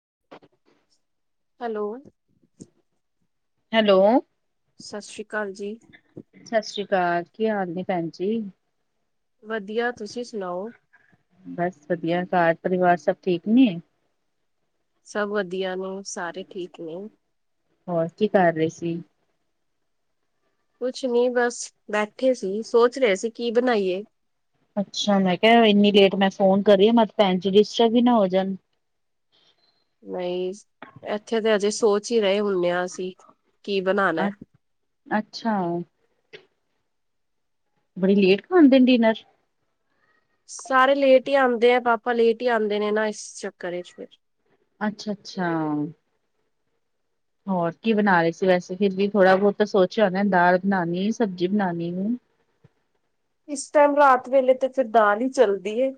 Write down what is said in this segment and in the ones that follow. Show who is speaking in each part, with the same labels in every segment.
Speaker 1: [unintelligible]
Speaker 2: Hello.
Speaker 1: Hello.
Speaker 2: ਸਤਿ ਸ੍ਰੀ ਅਕਾਲ ਜੀ।
Speaker 1: ਅ ਕੀ ਹਾਲ ਨੇ ਭੈਣ ਜੀ?
Speaker 2: ਵਧੀਆ। ਤੁਸੀਂ ਸੁਣਾਓ?
Speaker 1: ਬਸ ਵਧੀਆ ਘਰ-ਪਰਿਵਾਰ ਸਭ ਠੀਕ ਨੇ।
Speaker 2: ਸਭ ਵਧੀਆ ਨੇ, ਸਾਰੇ ਠੀਕ ਨੇ।
Speaker 1: ਹੋਰ ਕੀ ਕਰ ਰਹੇ ਸੀ?
Speaker 2: ਕੁਛ ਨਈ ਬਸ ਬੈਠੇ ਸੀ। ਸੋਚ ਰਹੇ ਸੀ। ਕੀ ਬਣਾਈਏ?
Speaker 1: ਅੱਛਾ ਮੈਂ ਕਿਹਾ ਇੰਨੀ ਲੇਟ ਮੈਂ ਫੋਨ ਕਰ ਰੀ, ਭੈਣ ਜੀ ਡਿਸਟਰਬ ਨਾ ਹੋ ਜਾਣ। [unintelligible]
Speaker 2: ਨਹੀਂ ਈ, ਇੱਥੇ ਤਾਂ ਅਜੇ ਸੋਚ ਹੀ ਰਹੇ ਹੁੰਨੇ ਹਾਂ ਅਸੀਂ। ਕੀ
Speaker 1: ਅ
Speaker 2: ਬਨਾਣਾ।
Speaker 1: ਅੱਛਾ। ਬੜੀ ਲੇਟ ਖਾਦੇ ਨੇ ਡਿਨਰ।
Speaker 2: ਸਾਰੇ ਲੇਟ ਹੀ ਆਦੇ ਨੇ ਪਾਪਾ ਲੇਟ ਈ ਆਦੇ ਨੇ ਨਾ ਇਸ ਚੱਕਰ ਵਿਚ ਫਿਰ।
Speaker 1: ਅੱਛਾ-ਅੱਛਾ। ਹੋਰ ਕੀ ਬਣਾ ਰਹੇ ਸੀ। ਵੈਸੇ ਫਿਰ ਵੀ ਥੋੜਾ ਬਹੁਤ ਸੋਚਿਆ ਹੋਣਾ ਦਾਲ ਬਣਾਉਣੀ, ਸਬਜ਼ੀ ਬਣਾਉਣੀ। [inaudible]
Speaker 2: ਇਸ ਟਾਈਮ ਰਾਤ ਵੇਲੇ ਤੇ ਫਿਰ ਦਾਲ ਚੱਲਦੀ।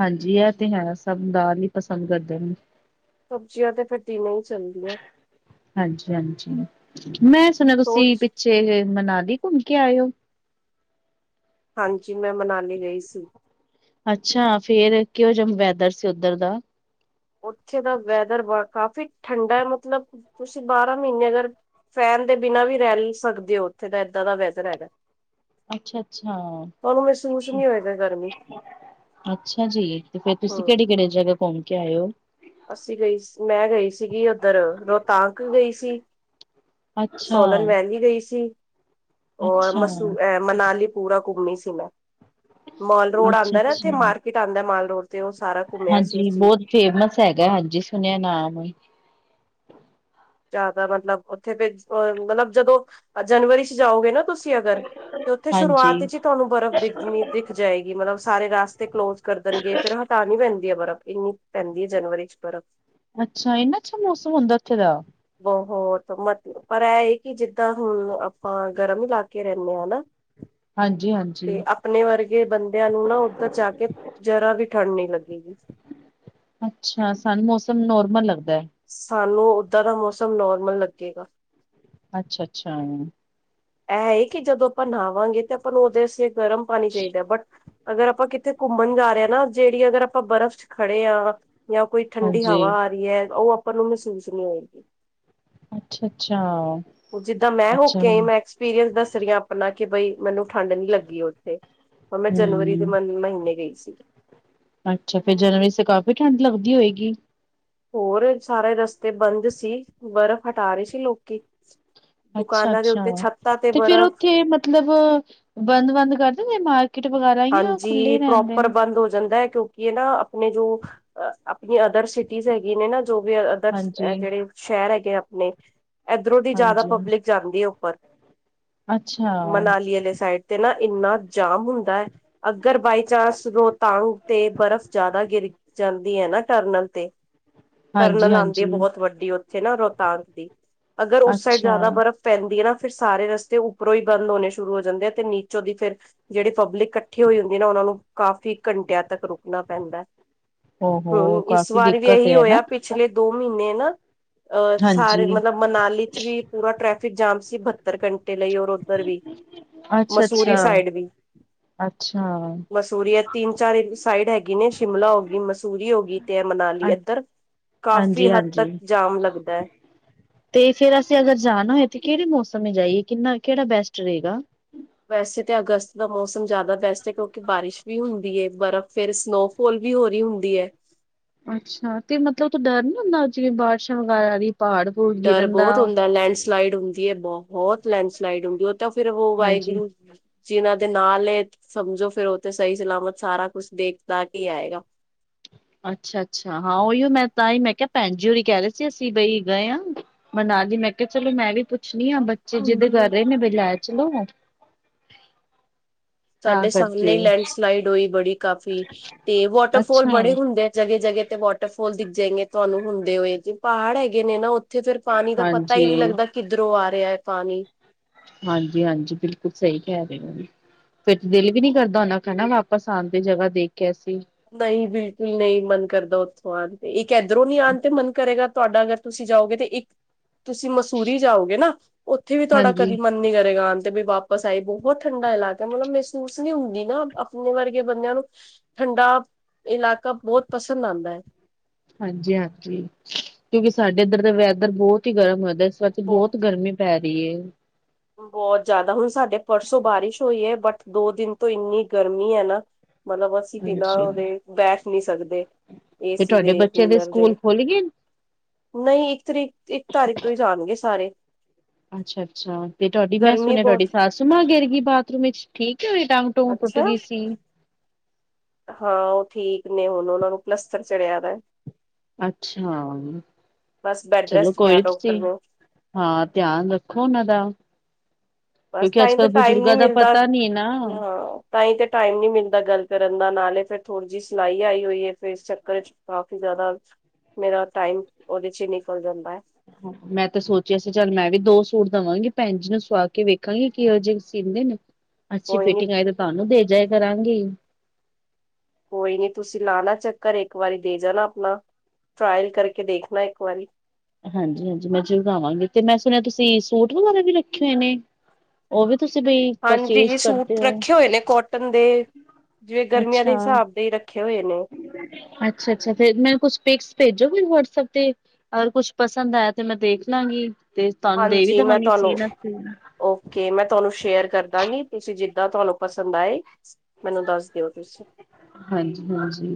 Speaker 1: ਹਾਂਜੀ। ਇਹ ਤੇ ਹੈ। ਸਭ ਦਾਲ ਹੀ ਪਸੰਦ ਕਰਦੇ ਨੇ।
Speaker 2: ਸਬਜ਼ੀਆਂ ਤੇ ਫੇਰ ਦਿਨੇ ਹੀਂ ਚੱਲਦੀਆਂ।
Speaker 1: ਹਾਂਜੀ-ਹਾਂਜੀ ਮੈਂ ਸੁਣਿਆ, ਤੁਸੀਂ
Speaker 2: ਸੋਚ
Speaker 1: ਪਿੱਛੇ ਮਨਾਲੀ ਘੁੰਮ ਕੇ ਆਇਓ।
Speaker 2: ਹਾਂਜੀ। ਮੈਂ ਮਨਾਲੀ ਗਈ ਸੀ।
Speaker 1: ਅੱਛਾ। ਫੇਰ ਕਿਉਂ ਜਿ ਵੈਦਰ ਸੀ ਉੱਧਰ ਦਾ।
Speaker 2: ਉੱਥੇ ਦਾ ਵੈਦਰ ਕਾਫੀ ਠੰਡਾ ਮਤਲਬ, ਤੁਸੀਂ ਬਾਰਾਂ ਮਹੀਨੇ ਅਗਰ ਫੈਨ ਦੇ ਬਿਨਾ ਵੀ ਰਹਿ ਸਕਦੇ ਹੋ। ਉੱਥੇ ਦਾ ਜਿਆਦਾ ਵੈਦਰ ਹੈਗਾ।
Speaker 1: ਅੱਛਾ-ਅੱਛਾ।
Speaker 2: ਤੁਹਾਨੂੰ ਮਹਿਸੂਸ ਨਹੀਂ ਹੋਏਗਾ ਗਰਮੀ।
Speaker 1: ਅੱਛਾ ਜੀ। ਤੇ ਫੇਰ ਤੁਸੀਂ
Speaker 2: ਹਮ
Speaker 1: ਕਿਹੜੀ-ਕਿਹੜੀ ਜਗ੍ਹਾ ਘੁੰਮ ਕੇ ਆਏ ਹੋ।
Speaker 2: ਅਸੀਂ ਗਈ ਮੈਂ ਗਈ ਸੀਗੀ। ਉੱਧਰ ਰੋਹਤਾਂਗ ਗਈ ਸੀ। ਸੋਲਨ
Speaker 1: ਅੱਛਾ
Speaker 2: ਵੈਲੀ ਗਈ ਸੀ। ੳ
Speaker 1: ਅੱਛਾ
Speaker 2: ਮਸੂ, ਅ ਮਨਾਲੀ ਪੂਰਾ ਘੁੰਮੀ ਸੀ ਮੈਂ। ਮਾਲ ਰੋਡ
Speaker 1: ਅੱਛਾ
Speaker 2: ਆਉਂਦਾ ਨਾ
Speaker 1: ਅੱਛਾ
Speaker 2: ਇੱਥੇ ਮਾਰਕੀਟ ਆਉਂਦਾ ਮਾਲ ਰੋਡ ਤੇ ਉਹ ਸਾਰਾ ਘੁੰਮਿਆ ਸੀ
Speaker 1: ਹਾਂਜੀ
Speaker 2: ਅਸੀਂ।
Speaker 1: ਬਹੁਤ ਫੇਮਸ ਹੈਗਾ ਹਾਂਜੀ ਸੁਣਿਆ ਨਾਮ
Speaker 2: ਜਿਆਦਾ ਮਤਲਬ ਉਥੋਂ ਫ ਅ ਮਤਲਬ ਜਦੋਂ ਜਨਵਰੀ ਚ ਜਾਓਗੇ ਨਾ ਤੁਸੀਂ ਅਗਰ ਤੇ ਉੱਥੇ
Speaker 1: ਹਾਂਜੀ
Speaker 2: ਸ਼ੁਰੂਆਤ ਵਿਚ ਹੀ ਤੁਹਾਨੂੰ ਬਰਫ਼ ਦਿ ਦਿਖ ਜਾਏਗੀ ਮਤਲਬ ਸਾਰੇ ਰਸਤੇ ਕਲੋਜ ਕਰ ਦੇਣਗੇ। ਫਿਰ ਤਾਂ ਨੀ ਪੈਂਦੀ ਹੈ ਬਰਫ਼ ਇੰਨੀ ਪੈਂਦੀ ਹੈ। ਜਨਵਰੀ ਚ ਬਰਫ਼।
Speaker 1: ਅੱਛਾ। ਇੰਨਾ ਅੱਛਾ ਮੌਸਮ ਹੁੰਦਾ ਉੱਥੇ ਦਾ।
Speaker 2: ਉਹ ਮਤ ਪਰ ਇਹ ਇਹ ਕਿ ਜਿੱਦਾਂ ਹੁਣ ਆਪਾਂ ਗਰਮ ਇਲਾਕੇ ਰਹਿੰਦੇ ਹਾ ਨਾ।
Speaker 1: ਹਾਂਜੀ ਹਾਂਜੀ
Speaker 2: ਤੇ ਆਪਣੇ ਵਰਗੇ ਬੰਦਿਆਂ ਨੂੰ ਨਾ ਉੱਧਰ ਜਾ ਕੇ ਜਰਾ ਵੀ ਠੰਡ ਨੀ ਲੱਗੇਗੀ।
Speaker 1: ਅੱਛਾ। ਸਾਨੂੰ ਮੌਸਮ ਨੋਰਮਲ ਲੱਗਦਾ ਹੈ।
Speaker 2: ਸਾਨੂੰ ਉੱਦਾਂ ਦਾ ਮੌਸਮ ਨੋਰਮਲ ਲੱਗੇਗਾ।
Speaker 1: ਅੱਛਾ -ਅੱਛਾ।
Speaker 2: ਇਹ ਹੈ ਕਿ ਜਦੋਂ ਆਪਾਂ ਨਹਾਵਾਂਗੇ ਤਾਂ ਆਪਾਂ ਨੂੰ ਉਹ ਦੇਸ ਗਰਮ ਪਾਣੀ ਚਾਹੀਦਾ। ਬਟ ਅਗਰ ਆਪਾਂ ਕਿੱਥੇ ਘੁੰਮਣ ਜਾ ਰਹੇ ਹਾਂ ਨਾ, ਜਿਹੜੀ ਅਗਰ ਆਪਾਂ ਬਰਫ਼ ਚ ਖੜੇ ਹਾਂ। ਜਾਂ ਕੋਈ ਠੰਡੀ
Speaker 1: ਹਾਂਜੀ
Speaker 2: ਹਵਾ ਆ ਰਹੀ ਹੈ। ਉਹ ਆਪਾਂ ਨੂੰ ਮਹਿਸੂਸ ਨਹੀਂ ਹੋਏਗੀ।
Speaker 1: ਅੱਛਾ ਅੱਛਾ
Speaker 2: ਉਹ ਜਿੱਦਾਂ ਮੈਂ ਹੋ
Speaker 1: ਅੱਛਾ
Speaker 2: ਕੇ ਆਈ। ਮੈ ਦੇ ਦੱਸਦੀਆਂ ਕੀ ਆਪਣਾ ਕਿ ਬਈ ਮੈਨੂੰ ਠੰਢ ਨੀ ਲੱਗੀ ਉੱਥੇ। ਹ ਮੈਂ ਜਨਵਰੀ ਦੇ
Speaker 1: ਹਮ
Speaker 2: ਮ- ਮਹੀਨੇ ਗਈ ਸੀ।
Speaker 1: ਅੱਛਾ। ਫੇਰ ਜਨਵਰੀ ਤੇ ਕਾਫ਼ੀ ਠੰਢ ਲੱਗਦੀ ਹੋਏਗੀ।
Speaker 2: ਹੋਰ ਸਾਰੇ ਰਸਤੇ ਬੰਦ ਸੀ। ਬਰਫ਼ ਹਟਾ ਰਹੇ ਸੀ ਲੋਕੀ।
Speaker 1: ਅੱਛਾ
Speaker 2: ਦੁਕਾਨਾਂ ਦੇ
Speaker 1: -ਅੱਛਾ
Speaker 2: ਉੱਤੇ ਛੱਤਾਂ
Speaker 1: ਤੇ ਫੇਰ
Speaker 2: ਬਰਫ਼
Speaker 1: ਉੱਥੇ ਮਤਲਬ ਬੰਦ- ਬੰਦ ਕਰਦੇ ਨੇ ਨਾਲ
Speaker 2: ਹਾਂਜੀ। ਪ੍ਰੋਪਰ ਬੰਦ ਹੋ ਜਾਂਦਾ ਹੈ। ਕਿਉਂ ਕੀ ਨਾ ਆਪਣੇ ਜੋ ਆਪਣੀ ਅਦਰ ਸਿਟੀਜ਼ ਹੈਗੀੀਆਂ ਨੇ ਨਾ। ਜੋ ਵੀ ਅਦਰ
Speaker 1: ਹਾਂਜੀ-ਹਾਂਜੀ
Speaker 2: ਜਿਹੜੇ ਸ਼ਹਿਰ ਹੈਗੇ ਆਪਣੇ ਇਧਰੋਂ ਦੀ ਜ਼ਿਆਦਾ ਪਬਲਿਕ ਜਾਂਦੀ ਹੈ। ਉੱਪਰ
Speaker 1: ਅੱਛਾ
Speaker 2: ਮਨਾਲੀ ਵਾਲੇ ਸਾਈਡ ਤੇ ਨਾ ਇੰਨਾ ਜਾਮ ਹੁੰਦਾ ਹੈ। ਅਗਰ ਬਾਈ ਚਾਂਸ ਰੋਹਤਾਂਗ ਤੇ ਬਰਫ਼ ਜ਼ਿਆਦਾ ਗਿਰ ਜਾਂਦੀ ਹੈ। ਨਾ ਟਰਨਲ ਤੇ ਟਰਨਲ ਆਉਂਦੀ ਹੈ।
Speaker 1: ਹਾਂਜੀ-ਹਾਂਜੀ।
Speaker 2: ਬਹੁਤ ਵੱਡੀ ਉ ਨਾ ਰੋਹਤਾਂਗ ਦੀ। ਅਗਰ ਉਸ ਸਾਈਡ
Speaker 1: ਅੱਛਾ
Speaker 2: ਜ਼ਿਆਦਾ ਬਰਫ਼ ਪੈਂਦੀ ਹੈ। ਨਾ ਫਿਰ ਸਾਰੇ ਰਸਤੇ ਉੱਪਰੋਂ ਹੀ ਬੰਦ ਹੋਣੇ ਸ਼ੁਰੂ ਹੋ ਜਾਂਦੇ ਆ। ਤੇ ਨੀਚੋਂ ਦੀ ਫੇਰ ਜਿਹੜੇ ਪਬਲਿਕ ਇਕੱਠੇ ਹੋਈ ਹੁੰਦੇ ਨਾ ਉਹਨਾਂ ਨੂੰ ਕਾਫ਼ੀ ਘੰਟਿਆਂ ਤੱਕ ਰੁਕਣਾ ਪੈਂਦਾ ਹੈ।
Speaker 1: ਹੋ-ਹੋ
Speaker 2: ਹਮ। ਇਸ
Speaker 1: ਕਾਫ਼ੀ
Speaker 2: ਵਾਰ ਵੀ
Speaker 1: ਦਿੱਕਤ
Speaker 2: ਇਹੀ
Speaker 1: ਹੈ ਨਾ
Speaker 2: ਹੋਇਆ ਪਿਛਲੇ ਦੋ ਮਹੀਨੇ [unintelligible] ਅਹ
Speaker 1: ਹਾਂਜੀ।
Speaker 2: ਸਾਰੇ ਮਤਲਬ ਮਨਾਲੀ ਚ ਵੀ ਪੂਰਾ ਟ੍ਰੈਫਿਕ ਜਾਮ ਸੀ ਬਹੱਤਰ ਘੰਟੇ ਤੇ ਲਈ ਔਰ ਉੱਧਰ ਵੀ ਮਸੂਰੀ
Speaker 1: ਅੱਛਾ-ਅੱਛਾ,
Speaker 2: ਸਾਈਡ ਵੀ
Speaker 1: ਅੱਛਾ
Speaker 2: ਮਸੂਰੀ ਹੈ ਤਿੰਨ ਚਾਰ ਸਾਈਡ ਹੈਗੀ ਨੇ ਸ਼ਿਮਲਾ ਹੋ ਗਈ ਮਸੂਰੀ ਹੋ ਗਈ ਤੇ ਮਨਾਲੀ ਇੱਧਰ ਕਾਫ਼ੀ ਹੱਦ
Speaker 1: ਹਾਂਜੀ-ਹਾਂਜੀ।
Speaker 2: ਤੱਕ ਜਾਮ ਲੱਗਦਾ ਐ
Speaker 1: ਤੇ ਫੇਰ ਅਸੀਂ ਅਗਰ ਜਾਣਾ ਹੋਏ ਤੇ ਕਿਹੜੇ ਮੌਸਮ ਜਾਈਏ ਕਿੰਨਾ ਕਿਹੜਾ ਬੈਸਟ ਰਹੇਗਾ
Speaker 2: ਵੈਸੇ ਤਾਂ ਅਗਸਤ ਦਾ ਮੌਸਮ ਜ਼ਿਆਦਾ ਬੈਸਟ ਏ ਕਿਉਂਕਿ ਬਾਰਿਸ਼ ਵੀ ਹੁੰਦੀ ਏ ਬਰਫ਼ ਫੇਰ ਸਨੋਫੋਲ ਵੀ ਹੋ ਰਹੀ ਹੁੰਦੀ ਹੈ
Speaker 1: ਅੱਛਾ ਤੇ ਮਤਲਬ ਤਾਂ ਡਰ ਨੀ ਲੱਗਦਾ ਅੱਜ ਕੱਲ ਬਾਰਿਸ਼ਾਂ ਵਗੈਰਾ ਦੀ ਪਹਾੜ-ਪਹੂੜ
Speaker 2: ਡਰ
Speaker 1: ਗਿਰਨ ਦਾ?
Speaker 2: ਬਹੁਤ ਹੁੰਦਾ ਲੈਂਡ ਸਲਾਈਡ ਹੁੰਦੀ ਹੈ ਬਹੁਤ ਲੈਂਡ ਸਲਾਈਡ ਹੁੰਦੀ ਉਹ ਤਾਂ ਫ਼ਿਰ
Speaker 1: ਹਾਂਜੀ
Speaker 2: ਵਾਹਿਗੁਰੂ ਜਿਨਾਂ ਦੇ ਨਾਲ ਸਮਝੋ ਫਿਰ ਉਹਥੇ ਸਹੀ ਸਲਾਮਤ ਸਾਰਾ ਕੁਛ ਦੇਖਦਾ ਕੇ ਹੀ ਆਏਗਾ
Speaker 1: [unintelligible] ਅੱਛਾ ਅੱਛਾ ਹਾਂ ਉਹੀ ਮੈਂ ਤਾਂ ਹੀ ਮੈਂ ਕਿਹਾ ਭੈਣ ਜੀ ਹੋਰੀ ਕਹਿ ਰਹੇ ਸੀ ਅਸੀਂ ਬਈ ਗਏ ਆਂ ਮਨਾ ਦੀ ਮੈਂ ਕਿਹਾ ਚਲੋ ਮੈਂ ਵੀ ਪੁੱਛ ਕੁਛ ਨੀ ਆ ਬੱਚੇ ਜਿੱਦ ਕਰ
Speaker 2: ਹੁੰਦੀ
Speaker 1: ਰਹੇ ਨੇ ਬ ਲੈ ਚਲੋ [unintelligible] ਤਾਂ
Speaker 2: ਸਾਡੇ ਸਾਹਮਣੇ
Speaker 1: ਕਰਕੇ
Speaker 2: ਹੀ ਲੈਂਡਸਲਾਈਡ ਹੋਈ ਬੜੀ ਕਾਫੀ ਤੇ ਵਾਟਰਫਾਲ
Speaker 1: ਅੱਛਾ
Speaker 2: ਬੜੇ ਹੁੰਦੇ ਆ ਜਗ ਜਗ੍ਹਾ ਤੇ ਵਾਟਰਫੋਲਖ ਜਗੇ ਤੁਹਾਨੂੰ ਹੁੰਦੇ ਹੋਏ ਜੇ ਪਹਾੜ ਹੈਗੇ ਨੇ ਨਾ ਉੱਥੇ ਫੇਰ ਪਾਣੀ ਦਾ ਪਤਾ ਹੀ ਨਈ
Speaker 1: ਹਾਂਜੀ,
Speaker 2: ਲੱਗਦਾ ਕਿੱਧਰੋ ਆ ਰਿਹਾ ਪਾਣੀ
Speaker 1: ਹਾਂਜੀ ਹਾਂਜੀ ਬਿਲਕੁਲ ਸਹੀ ਕਹਿ ਰਹੇ ਹੋ ਵੀ ਫਿਰ ਦਿਲ ਵੀ ਨੀ ਕਰਦਾ ਉਹਨਾ ਕਹਿਣਾ ਵਾਪਸ ਆਉਣ ਤੇ ਜਗ੍ਹਾ ਦੇਖ ਕੇ ਅਸੀਂ
Speaker 2: ਨਹੀਂ ਬਿਲਕੁਲ ਨਹੀਂ ਮਨ ਕਰਦਾ ਉੱਥੋਂ ਆਉਣ ਤੇ ਇੱਕ ਇਧਰੋਂ ਨੀ ਆਉਣ ਤੇ ਮਨ ਕਰੇਗਾ ਤੁਹਾਡਾ ਅਗਰ ਤੁਸੀਂ ਜਾਓਗੇ ਤੇ ਇੱਕ ਤੁਸੀਂ ਮਸੂਰੀ ਜਾਓਗੇ ਨਾ ਉੱਥੇ ਵੀ ਤੁਹਾਡਾ
Speaker 1: ਹਾਂਜੀ।
Speaker 2: ਕਦੀ ਮਨ ਨੀ ਕਰੇਗਾ ਅ ਤੇ ਵੀ ਵਾਪਸ ਆਈ ਬਹੁਤ ਠੰਡਾ ਇਲਾਕਾ ਮਤਲਬ ਮਹਿਸੂਸ ਨਹੀ ਹੁੰਦੀ ਨਾ ਆਪਣੇ ਵਰਗੇ ਬੰਦਿਆਂ ਨੂੰ ਠੰਡਾ ਇਲਾਕਾ ਬਹੁਤ ਪਸੰਦ ਆਉਂਦਾ ਏ
Speaker 1: ਹਾਂਜੀ-ਹਾਂਜੀ ਕਿਉਂਕਿ ਸਾਡੇ ਇੱਧਰ ਦਾ ਵੈਦਰ ਬਹੁਤ ਹੀ ਗਰਮ ਹਦਾ ਇਸ ਵ
Speaker 2: ਬਹੁ
Speaker 1: ਬਹੁਤ ਗਰਮੀ ਪੈ ਰਹੀ ਏ।
Speaker 2: ਬਹੁਤ ਜਿਆਦਾ ਹੁਣ ਸਾਡੇ ਪਰਸੋਂ ਬਾਰਿਸ਼ ਹੋਈ ਏ ਬਟ ਦੋ ਦਿਨ ਤੋਂ ਇੰਨੀ ਗਰਮੀ ਹੈ ਨਾ ਮਤਲਬ ਅਸੀਂ ਬਿਨਾਂ
Speaker 1: ਹਾਂਜੀ
Speaker 2: ਉਹਦੇ ਬੈਠ ਨਹੀਂ ਸਕਦੇ
Speaker 1: ਤੇ
Speaker 2: ਏਸੀ
Speaker 1: ਤੁਹਾਡੇ
Speaker 2: ਦੇ
Speaker 1: ਬੱਚੇ
Speaker 2: ਕੂਲਰ ਦੇ
Speaker 1: ਸਕੂਲ ਖੁੱਲ ਗਏ ਨੇ?
Speaker 2: ਨਹੀਂ ਇੱਕ ਤਰੀਕ ਇੱਕ ਤਾਰੀਕ ਤੋਂ ਹੀ ਜਾਣਗੇ ਸਾਰੇ
Speaker 1: ਅੱਛਾ-ਅੱਛਾ ਤੇ ਤੁਹਾਡੀ ਮੈਂ
Speaker 2: ਗਰਮੀ
Speaker 1: ਸੁਣਿਆ
Speaker 2: ਬਹੁਤ
Speaker 1: ਤੁਹਾਡੀ ਸੱਸ ਮਾਂ ਗਿਰ ਗਈ ਬਾਥਰੂਮ ਵਿੱਚ ਠੀਕ ਹੈ ਓਦਾਂ ਟੋਂ ਟੁੱਟ
Speaker 2: ਅੱਛਾ
Speaker 1: ਗਈ ਸੀ
Speaker 2: ਹਾਂ ਉਹ ਠੀਕ ਨੇ ਹੁਣ ਉਹਨਾਂ ਨੂੰ ਪਲੱਸਤਰ ਚੜਿਆ ਦਾ
Speaker 1: ਅੱਛਾ।
Speaker 2: ਬਸ ਬੈਡ
Speaker 1: ਚਲੋ
Speaker 2: ਰੈਸਟ ਕਿਹਾ
Speaker 1: ਕੋਈ
Speaker 2: ਡਾਕਟਰ
Speaker 1: ਤੁਸੀਂ
Speaker 2: ਨੇ
Speaker 1: ਹਾਂ ਧਿਆਨ ਰੱਖੋ ਉਹਨਾਂ ਦਾ
Speaker 2: ਬਸ
Speaker 1: ਕਿਉਂਕਿ
Speaker 2: ਤਾਂਹੀ ਤਾਂ
Speaker 1: ਅੱਜ-ਕੱਲ੍ਹ
Speaker 2: ਟਾਈਮ ਨਹੀਂ
Speaker 1: ਬਜ਼ੁਰਗਾਂ ਦਾ
Speaker 2: ਮਿਲਦਾ
Speaker 1: ਪਤਾ ਨੀ ਨਾ
Speaker 2: ਹਾਂ ਤਾਂ ਹੀ ਤੇ ਟਾਈਮ ਨੀ ਮਿਲਦਾ ਗੱਲ ਕਰਨ ਦਾ ਨਾਲੇ ਫਿਰ ਥੋੜ੍ਹੀ ਜਿਹੀ ਸਿਲਾਈ ਆਈ ਹੋਈ ਹੈ ਫੇਰ ਇਸ ਚੱਕਰ ਚ ਕਾਫੀ ਜ਼ਿਆਦਾ ਮੇਰਾ ਟਾਈਮ ਉਹਦੇ ਚ ਹੀ ਨਿਕਲ ਜਾਂਦਾ ਏ
Speaker 1: ਮੈਂ ਤੇ ਸੋਚਿਆ ਸੀ ਚੱਲ ਮੈਂ ਵੀ ਦੋ ਸੂਟ ਦੇਵਾਂਗੀ ਭੈਣ ਜੀ ਨੂੰ ਸੁਵਾ ਕੇ ਵੇਖਾਂਗੀ ਕਿ ਜਿਹੇ ਸੀ ਕ ਅੱਛੀ
Speaker 2: ਕੋਈ ਨੀ
Speaker 1: ਫਿਟਿੰਗ ਆਏ ਤੇ ਤੁਹਾਨੂੰ ਦੇ ਜਾਏ ਕਰਾਂਗੇ
Speaker 2: ਕੋਈ ਨਹੀਂ ਤੁਸੀਂ ਲਾਣਾ ਚੱਕਰ ਇੱਕ ਵਾਰੀ ਦੇ ਜਾਣਾ ਆਪਣਾ ਟਰਾਇਲ ਕਰਕੇ ਦੇਖਣਾ ਇੱਕ ਵਾਰੀ
Speaker 1: ਹਾਂਜੀ-ਹਾਂਜੀ ਮੈਂ ਜਰੂਰ ਆਵਾਂਗੀ ਤੇ ਮੈਂ ਸੁਣਿਆ ਤੁਸੀਂ ਸੂਟ ਵਗੈਰਾ ਵੀ ਰੱਖੇ ਹੋਏ ਨੇ? ਉਹ ਵੀ ਤੁਸੀਂ ਬਈ
Speaker 2: ਹਾਂਜੀ
Speaker 1: ਪਰਚੇਸ
Speaker 2: ਸੂਟ
Speaker 1: ਕਰਦੇ ਹੋ
Speaker 2: ਰੱਖੇ ਹੋਏ ਨੇ ਕੋਟਨ ਦੇ ਜਿਵੇਂ ਗਰਮੀਆਂ ਦੇ
Speaker 1: ਅੱਛਾ
Speaker 2: ਹਿਸਾਬ ਦੇ ਹੀ ਰੱਖ
Speaker 1: ਅੱਛਾ-ਅੱਛਾ ਤੇ ਮੈ ਕੁਛੇ ਭੇਜੋਗੇ ਵਟਸਐਪ ਤੇ, ਅਗਰ ਕੁਛ ਪਸੰਦ ਆਇਆ ਤੇ ਮੈਂ ਦੇਖ ਲਵਗੀ
Speaker 2: ਹਾਂਜੀ ਮੈਂ ਤੁਹਾਨੂੰ, ਓਕੇ ਮੈਂ ਤੁਹਾਨੂੰ ਸ਼ੇਅਰ ਕਰਦਾਂਗੀ, ਤੁਸੀਂ ਜਿੱਦ ਦ ਤੁਹਾਨੂੰ ਪਸੰਦ ਆਏ, ਮੈਨੂੰ ਦੱਸ ਓ ਤੁਸੀਂ,
Speaker 1: ਹਾਂਜੀ-ਹਾਂਜੀ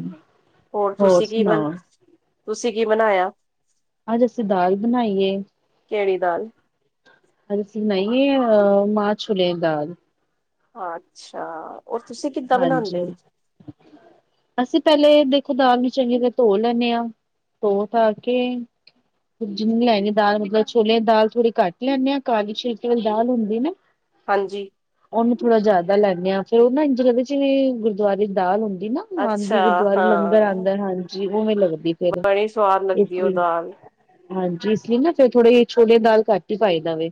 Speaker 2: ਹੋਰ ਤੁਸੀਂ ਕੀ ਤੁਸੀਂ ਕੀ ਬਨਾਇਆ?
Speaker 1: ਅੱਜ ਅਸੀਂ ਦਾਲ ਬਣਾਈਏ।
Speaker 2: ਕਿਹੜੀ ਦਾਲ?
Speaker 1: ਅਜ ਆਸੀ ਬਨਾਈ ਅ ਮਾਹ-ਛੋਲੇ ਦੀ ਦਾਲ
Speaker 2: ਅੱਛਾ, ਔਰ ਤੁਸੀਂ ਕਿੱਦਾਂ ਬਣਾਉਦੇ
Speaker 1: ਹਾਂਜੀ
Speaker 2: ਹੋ?
Speaker 1: ਅਸੀਂ ਪਹਿਲੇ ਦੇਖੋ, ਦਾਲ ਨੂੰ ਚੰਗੀ ਤਰ੍ਹਾਂ ਧੋ ਲੈਂਦੇ ਹਾਂ ਧੋ ਧਾ ਕੇ ਜਿ ਲੈਣੀ ਦਾਲ ਮਤਲਬ, ਛੋਲਿਆਂ ਦੀ ਦਾਲ ਥੋੜੀ ਘੱਟ ਲੈਂਦੇ, ਆ ਕਾਲੀ ਛਿਲਕੇ ਵਾਲੀ ਦਾਲ ਹੁੰਦੀ ਨਾ
Speaker 2: ਹਾਂਜੀ
Speaker 1: ਉਹਨੂੰ ਥੋੜਾ ਜਿਆਦਾ ਲੈਂਨੇ ਆ, ਫੇਰ ਉਹ ਨਾ ਇੰਝ ਜਗਦੇ ਚ ਵੀ ਗੁਰਦੁਆਰੇ ਚ ਦਾਲ ਹੁੰਦੀ ਨਾ ਮਨ
Speaker 2: ਅੱਛਾ
Speaker 1: ਦੀ ਗੁਰਦੁਆਰੇ ਲੰਗਰ
Speaker 2: ਹਾਂ
Speaker 1: ਆਦਾ, ਹਾਂਜੀ ਉਵੇਂ ਲੱਗਦੀ ਫਿਰ
Speaker 2: ਬੜੀ ਸਵਾਦ
Speaker 1: ਇਸ
Speaker 2: ਲੱਗਦੀ ਉਹ
Speaker 1: ਲਈ
Speaker 2: ਦਾਲ
Speaker 1: ਹਾਂਜੀ ਇਸ ਲਈ ਨਾ ਫੇਰ, ਥੋੜੇ ਜੀ ਛੋਲੇ ਦਾਲ ਘੱਟ ਹੀ ਪਾਈ ਦੇਵੇ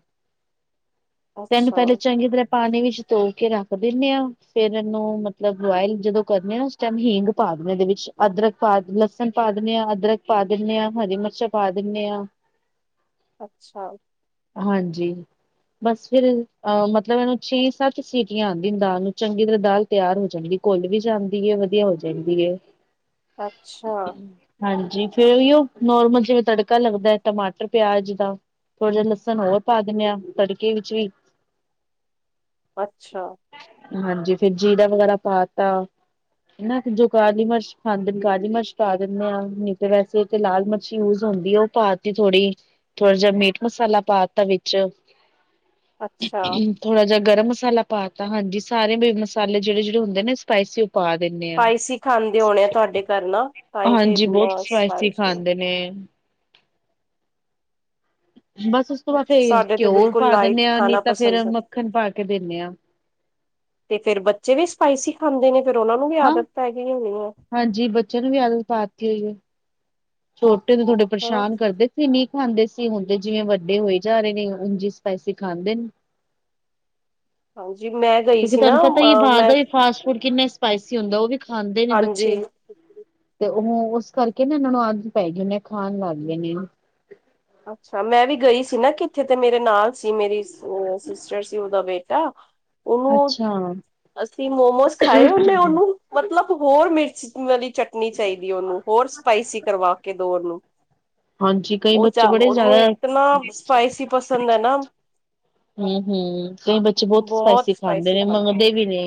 Speaker 1: ਤੈਨੂੰ
Speaker 2: ਅੱਛਾ
Speaker 1: ਪਹਿਲੇ ਚੰਗੀ ਤਰ੍ਹਾਂ ਪਾਣੀ, ਵਿੱਚ ਧੋ ਕੇ ਰੱਖ ਦਿੰਨ ਹਾਂ। ਫੇਰ ਇਹਨੂੰ ਮਤਲਬ, ਬੋਇਲ ਜਦੋਂ ਕਰਨੇ ਆ ਉਸ ਟਾਈਮ ਹਿੰਂਗ ਪਾ ਦੇਣੇ ਇਹਦੇ ਵਿੱਚ ਅਦਰਕ ਪਾ ਲਸਣ ਪਾ ਪਾ ਦਿੰਦੇ ਹਾਂ ਅਦਰਕ ਪਾ ਦਿੰਨੇ, ਹਾਂ ਹਰੀ ਮਿਰਚਾਂ ਪਾ ਦਿੰਦੇ ਹਾਂ।
Speaker 2: ਅੱਛਾ।
Speaker 1: ਹਾਂਜੀ ਬਸ ਫਿਰ ਅਹ ਮਤਲਬ, ਇਹਨੂੰ ਛੇ ਸੱਤ ਸੀਟੀਆਂ ਆਦੀਆਂ ਦਾਲ ਨੂੰ ਚੰਗੀ ਤਰ੍ਹਾਂ ਦਾਲ ਤਿਆਰ ਹੋ ਜਾਣਗੀ, ਘੁੱਲ ਵੀ ਜਾਂਦੀ ਵਧੀਆ ਹੋ ਜਾਂਦੀ ਹੈ।
Speaker 2: ਅੱਛਾ।
Speaker 1: ਹਾਂਜੀ ਫੇਰ ਔਈਓ ਨੋਰਮਲ, ਜਿਵੇਂ ਤੜਕਾ ਲੱਗਦਾ ਟਮਾਟਰ ਪਿਆਜ ਦਾ ਥੋੜ੍ਹਾ ਜਾ ਲਸਣ, ਹੋਰ ਪਾ ਦਿੰਨੇ ਆਂ ਤੜਕੇ ਵਿੱਚ ਵੀ
Speaker 2: ਅੱਛਾ।
Speaker 1: ਹਾਂਜੀ, ਫਿਰ ਜੀਰਾ ਵਗੈਰਾ ਪਾ ਤਾ ਹਨਾ ਜੋ ਕਲੀ ਮਰਸ਼ ਖਾਂਦੇ ਕਲੀ ਮਿਰਚ ਪਾ ਦਿੰਦੇ ਆ, ਨਹੀਂ ਤੇ ਵੈਸੇ ਤੇ ਲਾਲ ਮਿਰਚ ਯੂਜ ਹੁਦੀ ਉਹ ਪਾ ਤ ਥੋੜ੍ਹੀ-ਥੋੜ੍ਹਾ ਜਿ ਮੀਟ ਮਸਾਲਾ ਪਾ ਦਿਤਾ, ਵਿਚ
Speaker 2: ਅੱਛਾ
Speaker 1: ਥੋੜਾ ਜਾ ਗਰਮ, ਮਸਾਲਾ ਪਾ ਦਿਤਾ ਹਾਂਜੀ- ਸਾਰੇ ਵੀ ਮਸਾਲੇ ਜਿਹੜੇ- ਜਿਹੜੇ ਹੁਦੇ ਨੇ, ਸਪਾਈਸੀ ਪਾ ਦਿਦੇ ਹ
Speaker 2: ਸਪਾਈਸੀ ਖਾਂਦੇ ਹੋਣੇ ਆ ਤੁਹਾਡੇ ਘਰ ਨਾ ਤਾਂ ਹੀ ਤੇ
Speaker 1: ਹਾਂਜੀ, ਬਹੁਤ
Speaker 2: ਇੰਨਾ
Speaker 1: ਸਪਾਈਸੀ ਖਾਂਦੇ ਨੇ [inaudible] ਬਸ ਉਸ ਤੋਂ ਬਾਅਦ ਫੇਰ
Speaker 2: ਸਾਡੇ ਤੇ
Speaker 1: ਘਿਉ
Speaker 2: ਬਿਲਕੁਲ
Speaker 1: ਪਾ
Speaker 2: ਲਾਈਟ
Speaker 1: ਦਿਦੇ ਆ, ਨਹੀ
Speaker 2: ਖਾਣਾ
Speaker 1: ਤੇ ਫੇਰ
Speaker 2: ਪਸੰਦ ਹੈ
Speaker 1: ਮੱਖਣ ਪਾ ਕੇ ਦਿਦੇ ਆ। ਹ [inaudible]
Speaker 2: ਤੇ ਫੇਰ ਬੱਚੇ ਵੀ ਸਪਾਈਸੀ ਖਾਂਦੇ ਨੇ, ਫੇਰ ਉਹਨਾ ਨੂੰ ਵੀ
Speaker 1: ਹਾਂ
Speaker 2: ਆਦਤ ਪੈ ਗਈ ਹੋਣੀ ਹੈ।
Speaker 1: ਹਾਂਜੀ, ਬੱਚਿਆਂ ਨੂੰ ਵੀ ਆਦਤ ਪਾਦੀਤੀ ਹੋਈ ਹੈ। ਛੋਟੇ ਤੋਂ ਥੋਡੇ
Speaker 2: ਅੱਛਾ
Speaker 1: ਪਰੇਸ਼ਾਨ ਕਰਦੇ ਸੀ। ਖਾਂਦੇ ਸੀ ਹੁੰਦੇ ਜਿਵੇਂ ਵਡੇ ਹੋਏ, ਜਾ ਰਹੇ ਨੇ ਉਝ ਸਪਾਈਸੀ ਖਾਦੇ ਨੇ
Speaker 2: ਹਾਂਜੀ ਮੈਂ ਗਈ
Speaker 1: ਕਿਉਕਿ
Speaker 2: ਸੀ ਨਾ
Speaker 1: ਤੁਹਾਨੂੰ ਪਤਾ ਹੀ
Speaker 2: ਅ
Speaker 1: ਬਾਹਰ ਦਾ
Speaker 2: ਮੈਂ
Speaker 1: ਫਾਸਟ ਫੂਡ ਕਿਨਾ, ਸਪਾਈਸੀ ਹੁਦਾ ਉਹ ਵੀ ਖਾਦੇ ਨੇ
Speaker 2: ਹਾਂਜੀ।
Speaker 1: ਬੱਚੇ ਤੇ ਉਹ ਉਸ ਕਰਕੇ ਨਾ ਇਹਨਾਂ ਨੂੰ ਅਦਤ ਪੈ ਗਈ ਹੈ, ਨੇ ਖਾਣ ਲੱਗ ਗਏ ਨੇ
Speaker 2: ਅੱਛਾ ਮੈ ਵੀ ਗਈ ਸੀ, ਨਾ ਕਿਥੇ ਤੇ ਮੇਰੇ ਨਾਲ ਸੀ ਮੇਰੀ ਸਿਸਟਰ ਸੀ, ਉਹਦਾ ਬੇਟਾ
Speaker 1: ਅੱਛਾ,
Speaker 2: ਸੀ ਮੋਮੋਸ ਖਾਏ, ਉਹਨੇ ਉਹਨੂੰ ਮਤਲਬ ਹੋਰ ਮਿਰਚ ਵਾਲੀ ਚਟਨੀ ਚਾਹੀਦੀ, ਉਹਨੂੰ ਹੋਰ ਸਪਾਈਸੀ ਕਰਵਾ ਕੇ ਦੋ ਉਹਨੂੰ
Speaker 1: ਹਾਂਜੀ, ਕਈ
Speaker 2: ਉਹ ਚਾ
Speaker 1: ਬੱਚੇ ਬੜੇ
Speaker 2: ਉਹਨੂੰ
Speaker 1: ਜ਼ਿਆਦਾ ਹਮ
Speaker 2: ਇਤਨਾ ਸਪਾਈਸੀ ਪਸੰਦ ਹੈ, ਨਾ
Speaker 1: ਹੂੰ-ਹੂੰ, ਕਈ ਬੱਚੇ ਬਹੁਤ ਸਪਾਈਸੀ ਖਾਂਦੇ ਨੇ ਮੰਨਦੇ ਵੀ ਨੇ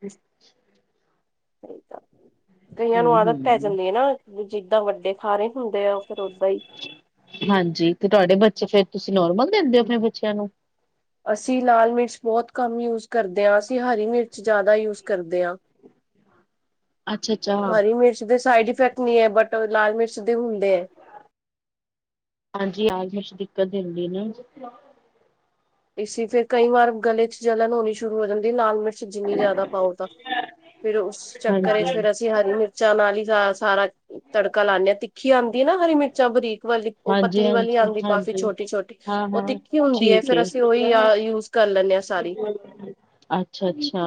Speaker 1: [unintelligible]
Speaker 2: ਕਈਆਂ ਨੂੰ ਆਦਤ ਪੈ
Speaker 1: ਹੂੰ-ਹੂੰ,
Speaker 2: ਜਾਂਦੀ ਹੈ, ਨਾ ਜਿੱਦਾਂ ਵੱਡੇ ਖ ਰਹੇ ਹੁੰਦੇ ਆ। ਫਿਰ ਓਦਾਂ ਹੀ
Speaker 1: ਹਾਂਜੀ, ਤੇ ਤੁਹਾਡੇ ਬੱਚੇ ਫੇਰ ਤੁਸੀਂ ਨੋਰਮਲ ਦਿੰਦੇ ਹੋ ਆਪਣੇ ਬੱਚਿਆਂ ਨੂੰ
Speaker 2: ਅਸੀਂ ਲਾਲ ਮਿਰਚ ਬਹੁਤ ਕੰਮ ਯੂਜ ਕਰਦੇ ਹਾਂ ਅਸੀਂ ਹਰੀ ਮਿਰਚ ਜ਼ਿਆਦਾ ਯੂਜ ਕਰਦੇ ਆਂ
Speaker 1: ਅੱਛਾ-ਅੱਛਾ,
Speaker 2: ਹਰੀ ਮਿਰਚ ਦੇ ਸਾਈਡ ਇਫੈਕਟ ਨਹੀਂ ਹੈ ਬਟ ਲਾਲ ਮਿਰਚ ਦੇ ਹੁੰਦੇ ਹੈ
Speaker 1: ਹਾਂਜੀ -ਹਾਂਜੀ [unintelligible] ਦਿੱਕਤ ਦੇ ਹੁੰਦੀ ਨਾ।
Speaker 2: ਇਸ ਫੇਰ ਕਈ ਵਾਰ ਗਲੇ 'ਚ ਜਲਣ ਹੋਣੀ ਸ਼ੁਰੂ ਹੋ ਜਾਂਦੀ ਲਾਲ ਮਿਰਚ ਜਿੰਨੀ ਜ਼ਿਆਦਾ ਪਾਓ ਤਾਂ ਫੇਰ ਉਸ ਚੱਕਰ ਵਿੱਚ
Speaker 1: ਹਾਂਜੀ।
Speaker 2: ਫੇਰ ਅਸੀਂ ਹਰੀ ਮਿਰਚਾਂ ਨਾਲ ਹੀ ਸਾਗ ਸਾਰਾ ਤੜਕਾ ਲਾਂਦੇ ਹਾਂ ਤਿੱਖੀ ਆਉਂਦੀ ਆ ਨਾ ਹਰੀ ਮਿਰਚਾਂ ਬਰੀਕ ਵਾਲੀ ਉਹ ਪਤਲੀ ਵਾਲੀ ਆਉਂਦੀ ਕਾਫ਼ੀ
Speaker 1: ਹਾਂਜੀ-ਹਾਂਜੀ-ਹਾਂਜੀ,
Speaker 2: ਛੋਟੀ ਛੋਟੀ ਉਹ
Speaker 1: ਹਾਂ-ਹਾਂ
Speaker 2: ਤਿੱਖੀ ਹੁੰਦੀ ਏ ਫੇਰ ਅ ਯਾਰ ਯੂਜ ਕਰ
Speaker 1: ਅੱਛਾ- ਅੱਛਾ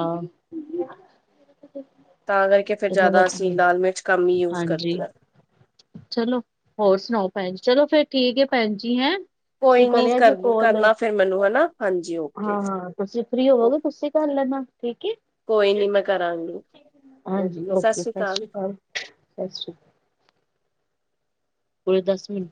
Speaker 2: ਤਾਂ ਕਰਕੇ ਫਿਰ ਜ਼ਿਆਦਾ ਅਸੀਂ ਲਾਲ ਮਿਰਚ ਕੰਮ ਹੀ ਯੂਜ
Speaker 1: ਹਾਂਜੀ,
Speaker 2: ਕਰਦੇ ਹਾਂ।
Speaker 1: ਚਲੋ ਹੋਰ ਸੁਣਾਓ ਭੈਣ ਜੀ ਚਲੋ ਫਿਰ ਠੀਕ ਹੈ ਭੈਣ ਜੀ ਹੈਂ। ਤੁਸੀਂ
Speaker 2: ਕੋਈ ਨੀ
Speaker 1: ਕਰਿਆ ਜੀ
Speaker 2: ਕਰ
Speaker 1: ਕੋਲ ਹਾਂ
Speaker 2: ਕਰਨਾ ਫਿਰ ਮੈਨੂੰ ਹਨਾ ਹਾਂਜੀ ਓਕੇ।
Speaker 1: -ਹਾਂ ਤੁਸੀਂ ਫ੍ਰੀ ਹੋਵੋਗੇ ਤੁਸੀਂ ਘ [unintelligible] ਠੀਕ ਏ
Speaker 2: ਕੋਈ ਨੀ ਮੈਂ ਕਰਾਂਗੀ।
Speaker 1: ਹਾਂਜੀ ਓਕੇ ਸਤਿ ਸ਼੍ਰੀ ਅਕਾਲ ਸਤਿ ਸ਼੍ਰੀ ਅਕਾਲ। ਪੂਰੇ ਦਸ ਮਿੰਟ